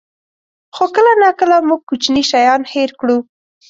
خو کله ناکله موږ کوچني شیان هېر کړو.